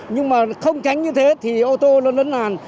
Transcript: nhưng mà không tránh như thế thì ô tô nó nấn làn